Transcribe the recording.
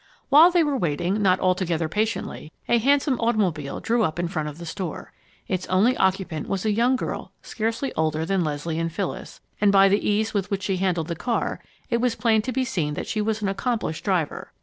While they were waiting, not altogether patiently, a handsome automobile drew up in front of the store. Its only occupant was a young girl scarcely older than Leslie and Phyllis, and by the ease with which she handled the car, it was plain to be seen that she was an accomplished driver.